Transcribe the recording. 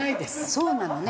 そうなのね。